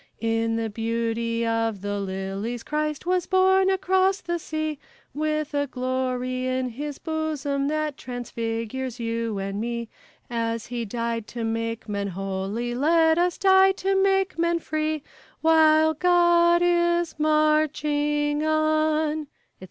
In the beauty of the lilies Christ was born across the sea, With a glory in his bosom that transfigures you and me: As he died to make men holy, let us die to make men free, While God is marching on, etc.